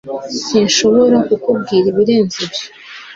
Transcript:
sinshobora kukubwira ibirenze ibyo